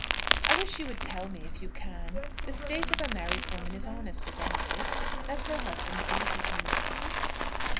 "I wish you would tell me, if you can. The state of a married woman is honest at any rate, let her husband be who he may."